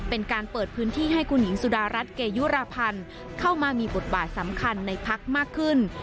เป็นการเปิดพื้นที่ให้คุณหญิงสุดารัฐเกยุราพันธ์เข้ามามีบทบาทสำคัญในพักมากขึ้น